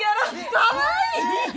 かわいい！